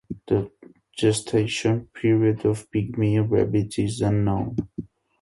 The gestation period of pygmy rabbits is unknown.